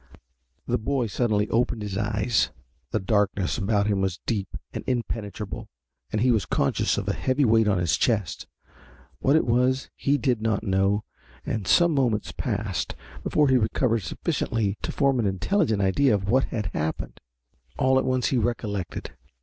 The boy suddenly opened his eyes. The darkness about him was deep and impenetrable and he was conscious of a heavy weight on his chest. What it was, he did not know, and some moments passed before he had recovered sufficiently to form an intelligent idea of what had happened. All at once he recollected.